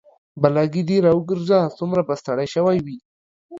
بلاګي د راوګرځه سومره به ستړى شوى وي